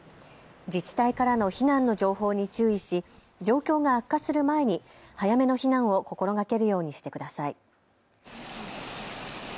自治体からの避難の情報に注意し状況が悪化する前に早めの避難を心がけるようにしてください。